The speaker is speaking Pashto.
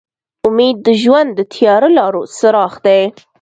امید د ژوند د تیاره لارو څراغ دی.